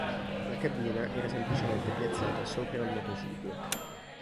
La cabina era semplicemente piazzata sopra al motociclo.